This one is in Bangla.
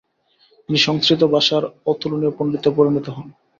তিনি সংস্কৃত ভাষার অতুলনীয় পণ্ডিতে পরিণত হন।